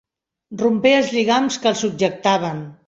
Rompé els lligams que el subjectaven.